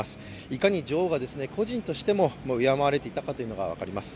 いかに女王が個人としても敬われていたかというのが分かります。